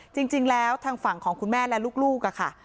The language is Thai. จริงแล้วทางฝั่งของคุณแม่และลูกค่ะ